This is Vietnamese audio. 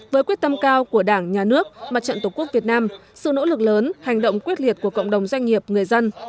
với quyết tâm cao của đảng nhà nước mặt trận tổ quốc việt nam sự nỗ lực lớn hành động quyết liệt của cộng đồng doanh nghiệp người dân